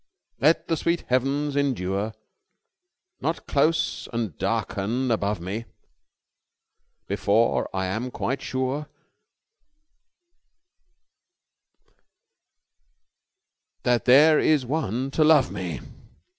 Let the sweet heavens endure, Not close and darken above me Before I am quite quite sure That there is one to love me....'"